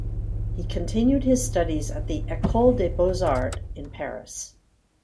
He continued his studies at the Ecole des Beaux Arts in Paris.